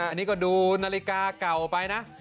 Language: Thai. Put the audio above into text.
อันนี้ก็ดูนาฬิกาเก่าไปนะ